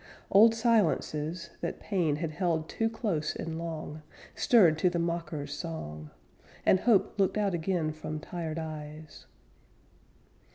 Old silences, that pain Had held too close and long, Stirred to the mocker's song, And hope looked out again From tired eyes.